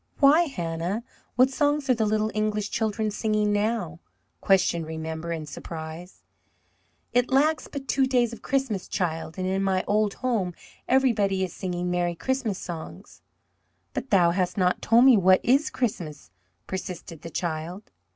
"Why, Hannah? What songs are the little English children singing now?" questioned Remember in surprise. "It lacks but two days of Christmas, child, and in my old home everybody is singing Merry Christmas songs." "But thou hast not told me what is Christmas!' persisted the child.